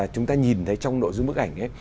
chúng ta nhìn thấy trong nội dung bức ảnh